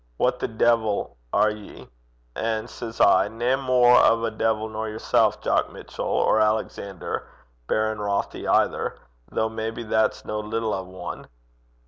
Wha the deevil are ye?" An' says I, "Nae mair o' a deevil nor yersel', Jock Mitchell, or Alexander, Baron Rothie, either though maybe that's no little o' ane."